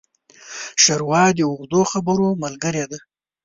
ښوروا د اوږدو خبرو ملګري ده.